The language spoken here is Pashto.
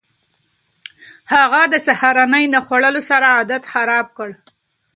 هغه د سهارنۍ نه خوړلو سره عادت خراب کړ.